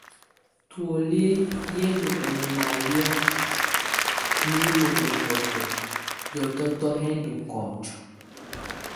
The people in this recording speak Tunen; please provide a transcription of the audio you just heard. Túóli yɔ́ lɛ ɔ malɛ̀á nimǝ́ ɔhɔtɔ, hiɔtɔtɔ hɛ ndɔ kɔnjɔ.